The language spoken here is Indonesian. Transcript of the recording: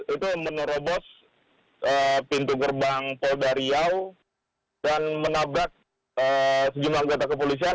itu menerobos pintu gerbang polda riau dan menabrak sejumlah anggota kepolisian